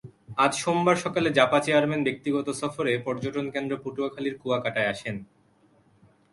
আজ সোমবার সকালে জাপা চেয়ারম্যান ব্যক্তিগত সফরে পর্যটনকেন্দ্র পটুয়াখালীর কুয়াকাটায় আসেন।